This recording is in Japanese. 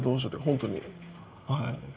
本当にはい。